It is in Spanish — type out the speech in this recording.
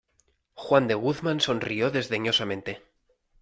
juan de Guzmán sonrió desdeñosamente: